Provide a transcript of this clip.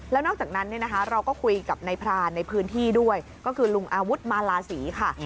แล้วนอกจากนั้นเราก็คุยกับนายพรานในพื้นที่ด้วยก็คือลุงอาวุธมาลาศรีค่ะ